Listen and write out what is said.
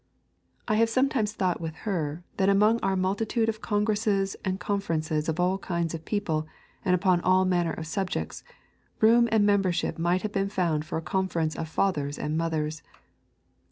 I have sometimes thought with her that among our multitude of congresses and conferences of all kinds of people and upon all manner of subjects, room and membership might have been found for a conference of fathers and mothers.